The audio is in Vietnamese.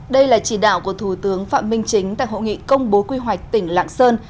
đây là chỉ đạo của thủ tướng phạm minh chính tại hội nghị công bố quy hoạch tỉnh lạng sơn